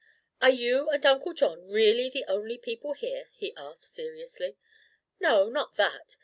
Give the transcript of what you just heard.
"Are you and Uncle John really the only people here?" he asked, seriously. "No, not that.